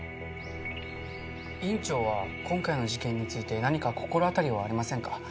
院長は今回の事件について何か心当たりはありませんか？